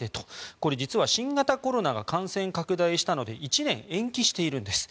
これ実は新型コロナが感染拡大したので１年延期しているんです。